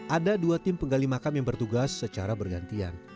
ada dua tim penggali makam yang bertugas secara bergantian